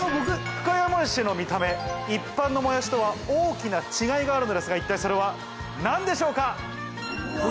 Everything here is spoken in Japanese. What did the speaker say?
深谷もやしの見た目一般のもやしとは大きな違いがあるのですが一体それは何でしょうか？